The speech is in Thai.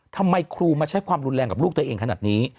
ทำไมครูมาใช้ความรุนแรงกับลูกตัวเองขนาดนี้